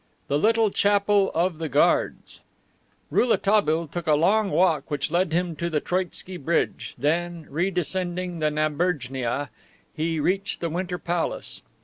THE LITTLE CHAPEL OF THE GUARDS Rouletabille took a long walk which led him to the Troitsky Bridge, then, re descending the Naberjnaia, he reached the Winter Palace.